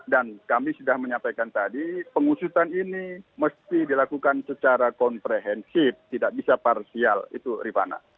dan kami sudah menyampaikan tadi pengusutan ini mesti dilakukan secara komprehensif tidak bisa parsial itu rifana